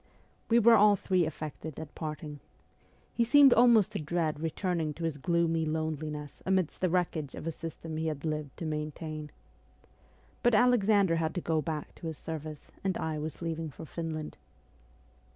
We were all three affected at parting. He seemed almost to dread returning to his gloomy loneliness amidst the wreckage of a system he had lived to maintain. But Alexander had to go back to his service, and I was leaving for Finland.